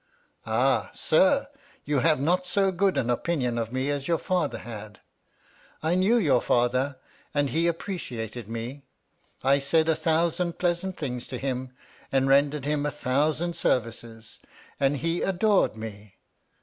Ah, Sir ! you have not so good an opinion of me as your father had. I knew your father, and he appreciated me. I said a thousand pleasant things to him, and rendered him a thousand services, and he adored me.